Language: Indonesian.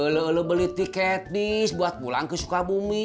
lo beli tiket bis buat pulang ke sukabumi